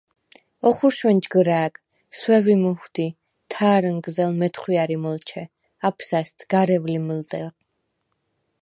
ოხურშვენ ჯგჷრა̄̈გ – სვევი მუჰვდი, თა̈რინგზელ – მეთხვია̈რი მჷლჩე, აფსასდ – გარევლი მჷლდეღ.